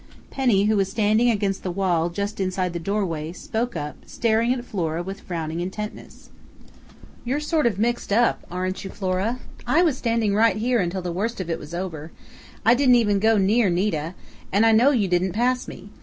Penny, who was standing against the wall, just inside the doorway, spoke up, staring at Flora with frowning intentness. "You're sort of mixed up, aren't you, Flora? I was standing right here until the worst of it was over I didn't even go near Nita, and I know you didn't pass me.